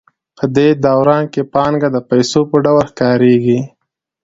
په دې دوران کې پانګه د پیسو په ډول ښکارېږي